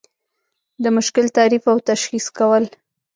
د مشکل تعریف او تشخیص کول.